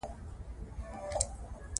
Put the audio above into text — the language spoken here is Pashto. راځئ چې په پوره مینه دا لاره ووهو.